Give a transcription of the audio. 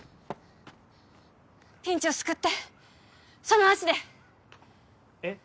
ピンチを救ってその足でえっ？